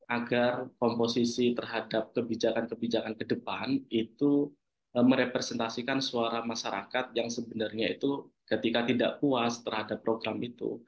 agar komposisi terhadap kebijakan kebijakan ke depan itu merepresentasikan suara masyarakat yang sebenarnya itu ketika tidak puas terhadap program itu